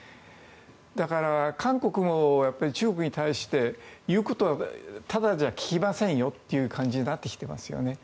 だから、韓国も中国に対して言うことはただじゃ聞きませんよという感じになってきてますよね。